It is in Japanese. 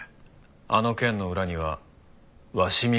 あの件の裏には鷲見組がいる。